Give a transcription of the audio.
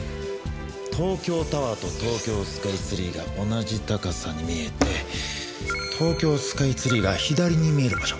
東京タワーと東京スカイツリーが同じ高さに見えて東京スカイツリーが左に見える場所。